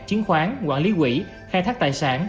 chiến khoán quản lý quỹ khai thác tài sản